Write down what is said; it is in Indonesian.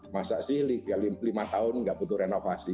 masa sih liga lima tahun nggak butuh renovasi